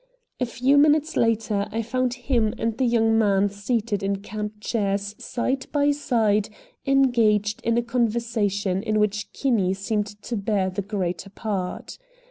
A few minutes later I found him and the young man seated in camp chairs side by side engaged in a conversation in which Kinney seemed to bear the greater part.